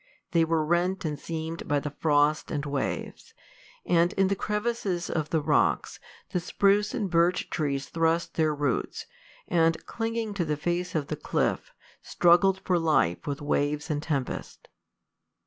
They were rent and seamed by the frost and waves; and, in the crevices of the rocks, the spruce and birch trees thrust their roots, and, clinging to the face of the cliff, struggled for life with waves and tempests.